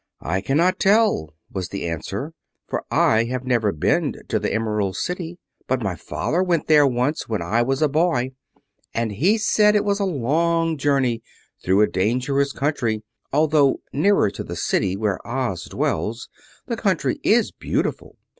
"I cannot tell," was the answer, "for I have never been to the Emerald City. But my father went there once, when I was a boy, and he said it was a long journey through a dangerous country, although nearer to the city where Oz dwells the country is beautiful.